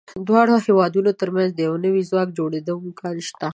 د دواړو هېوادونو تر منځ د یو نوي ځواک جوړېدو امکان شته.